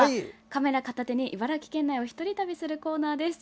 カメラを片手に茨城県内を一人旅するコーナーです。